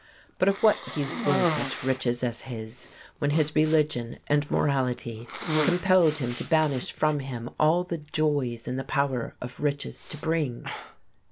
But of what use were such riches as his when his religion and morality compelled him to banish from him all the joys in the power of riches to bring?